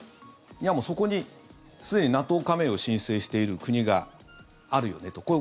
いや、もうそこにすでにＮＡＴＯ加盟を申請している国があるよねと。